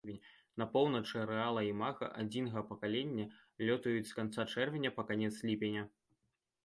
На поўначы арэала імага адзінага пакалення лётаюць з канца чэрвеня па канец ліпеня.